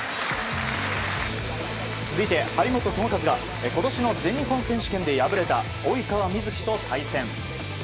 続いて張本智和が今年の全日本選手権で敗れた及川瑞基と対戦。